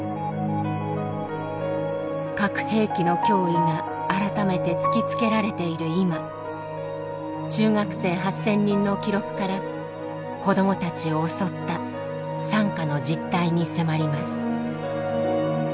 核兵器の脅威が改めて突きつけられている今中学生８，０００人の記録から子どもたちを襲った惨禍の実態に迫ります。